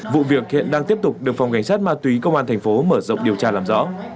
vụ việc hiện đang tiếp tục được phòng cảnh sát ma túy công an thành phố mở rộng điều tra làm rõ